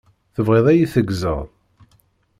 Tebɣiḍ ad yi-teggzeḍ?